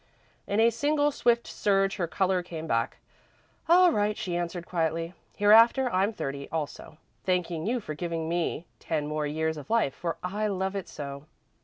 In a single swift surge her colour came back. "All right," she answered, quietly, "hereafter I'm thirty, also. Thanking you for giving me ten more years of life, for I love it so!"